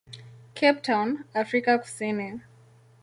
Cape Town, Afrika Kusini.